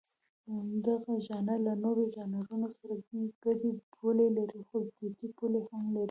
دغه ژانر له نورو ژانرونو سره ګډې پولې لري، خو جوتې پولې هم لري.